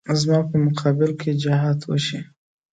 زما په مقابل کې جهاد وشي.